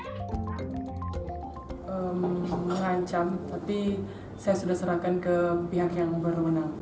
saya mengancam tapi saya sudah serahkan ke pihak yang berwenang